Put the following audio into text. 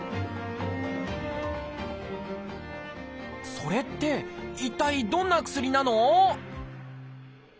それって一体どんな薬なの？